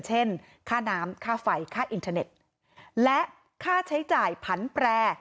ค่าน้ำค่าไฟค่าอินเทอร์เน็ตและค่าใช้จ่ายผันแปร